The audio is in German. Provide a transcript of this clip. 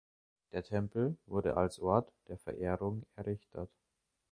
Der Tempel wurde als Ort der Verehrung errichtet.